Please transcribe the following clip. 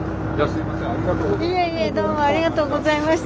いえいえどうもありがとうございました。